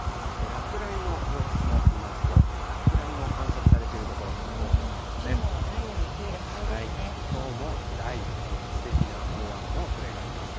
落雷の様子を見ますと、落雷も観測されている所が多くなっていまきょうも雷雨に注意が必要できょうも雷雨、局地的な大雨のおそれがあります。